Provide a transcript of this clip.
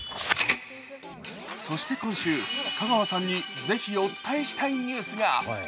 そして今週、香川さんにぜひお伝えしたいニュースが。